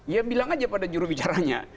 ya bilang aja pada jurubicaranya